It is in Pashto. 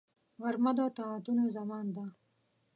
غرمه د طاعتونو زمان ده